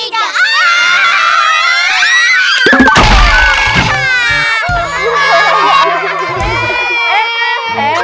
emang boleh diketahuin kayak gitu